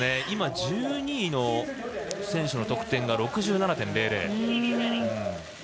今１２位の選手の得点が６７．００。